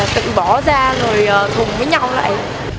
tự bỏ ra rồi thùng với nhau lại